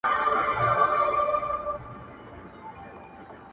کار اسباب کوي، لافي استا ولي.